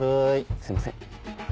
すいません。